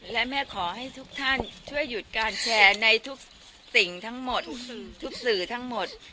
และแม่ขอให้ทุกท่านช่วยหยุดการแชร์ในทุกสิ่งทั้งหมดทุกสื่อทั้งหมด